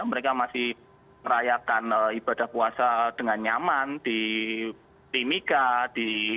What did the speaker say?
mereka masih merayakan ibadah puasa dengan nyaman di timika di